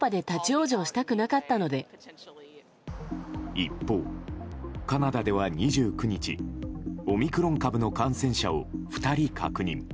一方、カナダでは２９日オミクロン株の感染者を２人確認。